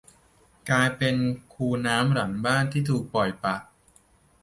กลายเป็นคูน้ำหลังบ้านที่ถูกปล่อยปะ